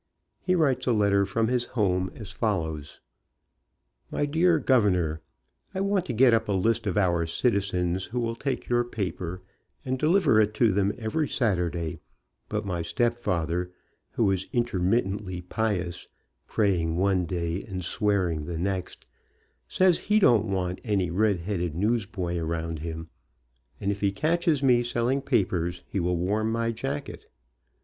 He writes a letter from his home, as follows : "My Dear Governor: I want to get up a list of our citizens who will take your paper, and deliver it to them every Saturday, but my stepfather, who is in termittently pious, praying one day and swearing the next, says he don't want any red headed newsboy around him, and if he catches me selling papers he will warm my jacket.